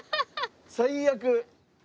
最悪！